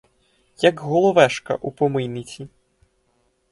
Як головешка у помийниці!